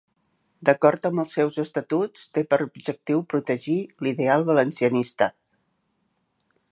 D'acord amb els seus estatuts, té per objectiu protegir l'ideal valencianista.